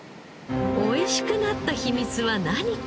おいしくなった秘密は何か？